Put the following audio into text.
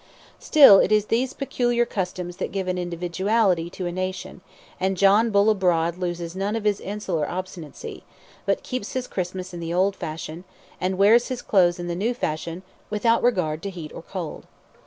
Still it is these peculiar customs that give an individuality to a nation, and John Bull abroad loses none of his insular obstinacy; but keeps his Christmas in the old fashion, and wears his clothes in the new fashion, without regard to heat or cold.